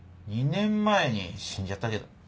２年前に死んじゃったけど。